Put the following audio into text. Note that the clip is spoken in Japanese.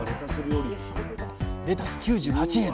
レタス９８円！